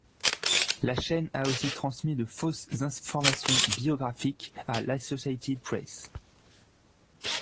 La chaîne a aussi transmis de fausses informations biographiques à l'Associated Press.